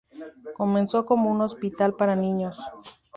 Comenzó como un hospital para niños.